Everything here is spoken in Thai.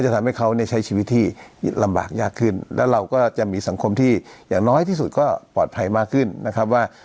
ทำให้เขาเนี่ยใช้ชีวิตที่ลำบากยากขึ้นแล้วเราก็จะมีสังคมที่อย่างน้อยที่สุดก็ปลอดภัยมากขึ้นนะครับว่า